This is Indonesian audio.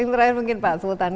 terakhir mungkin pak sultan